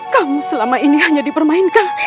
kamu selama ini hanya dipermainkan